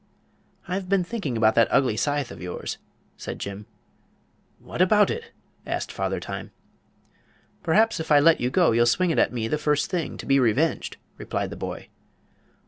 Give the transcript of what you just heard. "I've been thinking about that ugly scythe of yours," said Jim. "What about it?" asked Father Time. "Perhaps if I let you go you'll swing it at me the first thing, to be revenged," replied the boy.